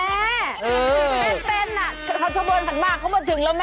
เต้นอ่ะเขาขบวนผ่านมาเขามาถึงแล้วแม่